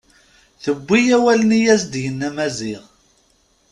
Tewwi awalen i as-d-yenna Maziɣ.